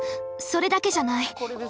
それだけじゃない！